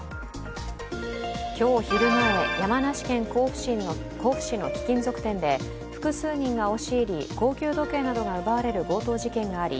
今日昼前、山梨県甲府市の貴金属店で複数人が押し入り、高級時計などが奪われる強盗事件があり